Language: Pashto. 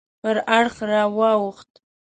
پر اړخ راواوښت.